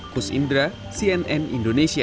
kus indra cnn indonesia